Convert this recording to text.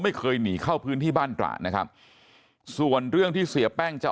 ไม่เคยหนีเข้าพื้นที่บ้านตระนะครับส่วนเรื่องที่เสียแป้งจะ